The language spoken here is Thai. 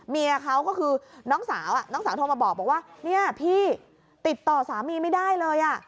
เมียเขาก็คือน้องสาวน้องสาวโทรมาบอกว่าเนี่ยพี่ติดต่อสามีไม่ได้เลย